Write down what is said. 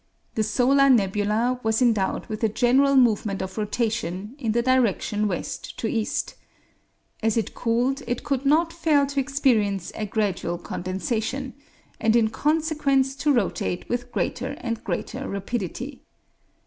The solar nebula was endowed with a general movement of rotation in the direction west to east. As it cooled it could not fail to experience a gradual condensation, and in consequence to rotate with greater and greater rapidity.